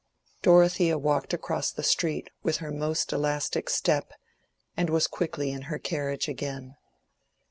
Dorothea walked across the street with her most elastic step and was quickly in her carriage again.